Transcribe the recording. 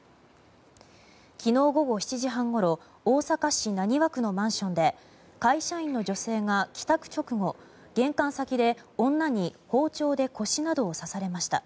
昨日午後７時半ごろ大阪市浪速区のマンションで会社員の女性が帰宅直後玄関先で女に包丁で腰などを刺されました。